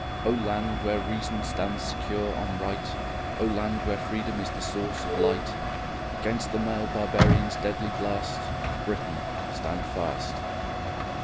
O land where reason stands secure on right, O land where freedom is the source of light, Against the mailed Barbarians' deadly blast, Britain, stand fast!